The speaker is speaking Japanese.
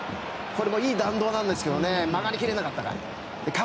これもいい弾道なんですけど曲がり切らなかったか。